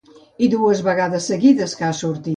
I dues vegades seguides, que ha sortit.